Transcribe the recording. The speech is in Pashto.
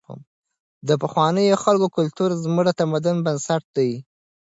د پخوانیو خلکو کلتور زموږ د تمدن بنسټ دی.